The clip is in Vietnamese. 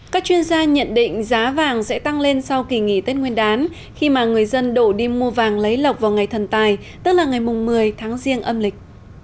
các chuyên gia nhận định giá vàng sẽ tăng lên sau kỳ nghỉ tết nguyên đán khi mà người dân đổ đi mua vàng lấy lọc vào ngày thần tài tức là ngày một mươi tháng riêng âm lịch